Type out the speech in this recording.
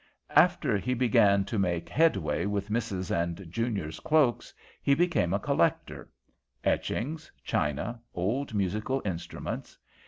"After he began to make headway with misses' and juniors' cloaks, he became a collector etchings, china, old musical instruments.